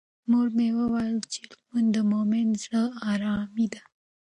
مور مې وویل چې لمونځ د مومن د زړه ارامي ده.